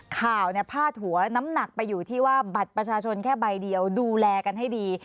ข่าวพาดหัวน้ำหนักไปอยู่ที่ว่าบัตรประชาชนแค่ใบเดียวดูแลกันให้ดี